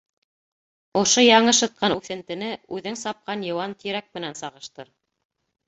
— Ошо яңы шытҡан үҫентене үҙең сапҡан йыуан тирәк менән сағыштыр.